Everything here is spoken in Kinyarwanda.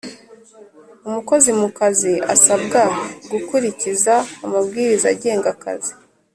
Umukozi mukazi asabwa gukurikiza amabwiriza agenga akazi